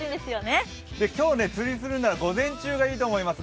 今日、釣りするなら午前中がいいと思います。